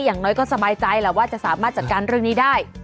อย่างน้อยก็สบายใจแหละว่าจะสามารถจัดการเรื่องนี้ได้